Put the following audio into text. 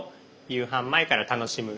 夕飯前から楽しむ。